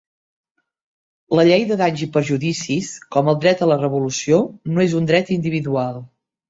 La llei de danys i perjudicis, com el dret a la revolució, no és un dret individual.